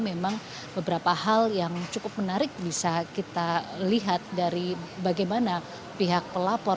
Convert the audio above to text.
memang beberapa hal yang cukup menarik bisa kita lihat dari bagaimana pihak pelapor